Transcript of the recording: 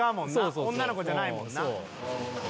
「女の子じゃないもんな」